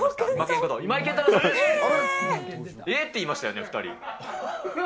えー！えー！って言いましたよね、２人。